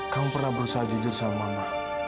kamu pernah berusaha jujur sama mbak